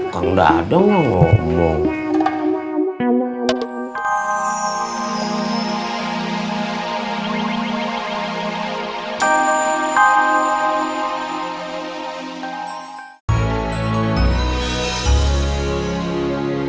jangan mau dibohongin orang kum